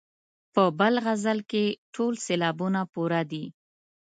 په بل غزل کې ټول سېلابونه پوره دي.